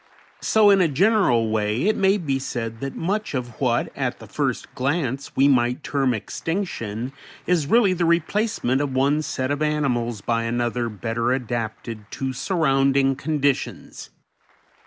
So in a general way it may be said that much of what at the first glance we might term extinction is really the replacement of one set of animals by another better adapted to surrounding conditions.